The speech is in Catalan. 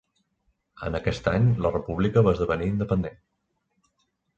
En aquest any la república va esdevenir independent.